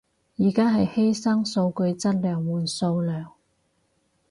而家係犧牲數據質量換數量